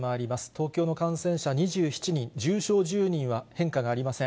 東京の感染者、２７人、重症１０人は変化がありません。